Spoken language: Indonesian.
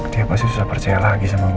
dia pasti susah percaya lagi sama gue pak